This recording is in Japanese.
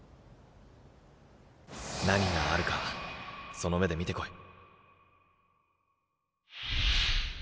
何があるかその目で見てこい。